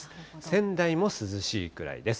仙台も涼しいくらいです。